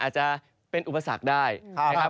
อาจจะเป็นอุปสรรคได้นะครับ